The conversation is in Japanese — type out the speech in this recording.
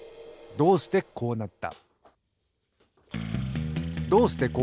どうしてこうなった？